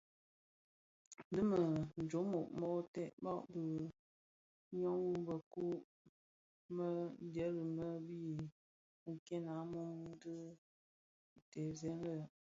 Dhi me jommog mōō tsebbag myom bi mëkuu më ndhèli më bi nken a mum kō dhesè lè.